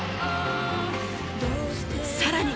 さらに。